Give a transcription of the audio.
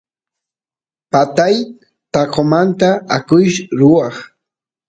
patay taqomanta akush ruwaq